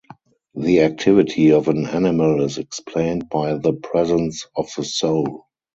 The activity of an animal is explained by the presence of the soul.